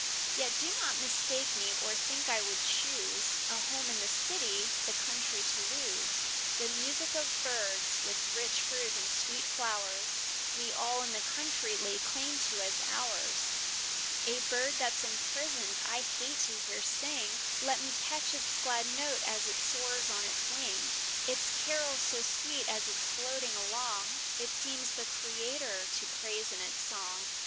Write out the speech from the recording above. Yet do not mistake me, or think I would choose, A home in the city, the country to lose; The music of birds, with rich fruits and sweet flowers, We all in the country lay claim to as ours. A bird that's imprisoned, I hate to hear sing, Let me catch its glad note as it soars on the wing; Its carol so sweet as it's floating along, It seems the Creator to praise in its song.